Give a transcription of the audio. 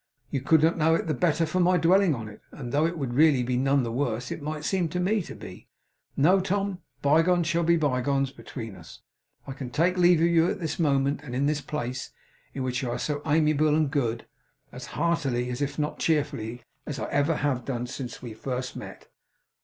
'You could not know it the better for my dwelling on it, and though it would be really none the worse, it might seem to me to be. No, Tom. Bygones shall be bygones between us. I can take leave of you at this moment, and in this place in which you are so amiable and so good as heartily, if not as cheerfully, as ever I have done since we first met.